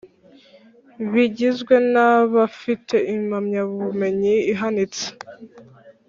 bigizwe n abafite impamyabumenyi ihanitse